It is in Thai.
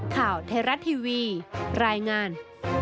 ข่าวเทราะทีวีรายงาน